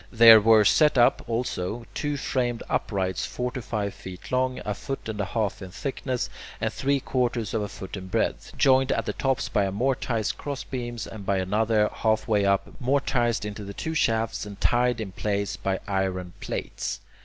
There were set up, also, two framed uprights forty five feet long, a foot and a half in thickness, and three quarters of a foot in breadth, joined at the tops by a mortised crossbeam and by another, halfway up, mortised into the two shafts and tied in place by iron plates.